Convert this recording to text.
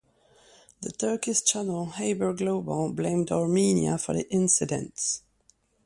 The Turkish channel Haber Global blamed Armenia for the incident.